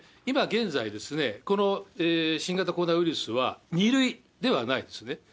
今現在、この新型コロナウイルスは２類ではないですね。